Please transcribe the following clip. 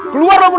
keluar nomor dua